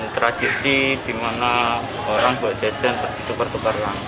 tradisi dimana orang buat jajan di tempat tempat lain